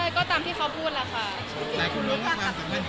ก็อย่างที่หนูพูดก็ตามนั้นแหละ